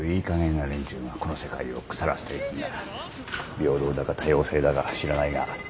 平等だか多様性だか知らないが。